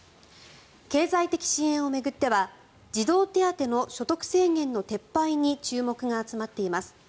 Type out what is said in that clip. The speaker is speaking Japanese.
経済的支援を巡っては児童手当の所得制限の撤廃に注目が集まっています。